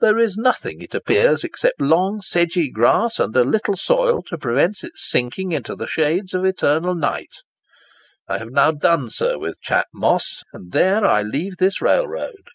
There is nothing, it appears, except long sedgy grass, and a little soil to prevent its sinking into the shades of eternal night. I have now done, sir, with Chat Moss, and there I leave this railroad."